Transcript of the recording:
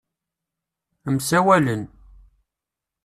Msawalen.